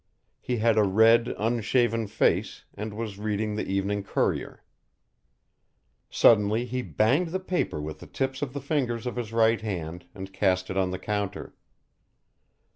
He had a red unshaven face, and was reading the Evening Courier. Suddenly he banged the paper with the tips of the fingers of his right hand and cast it on the counter.